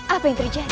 apa yang terjadi